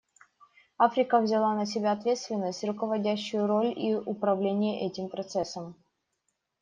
Африка взяла на себя ответственность, руководящую роль и управление этим процессом.